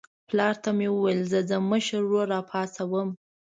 پلار ته مې وویل زه ځم مشر ورور راپاڅوم.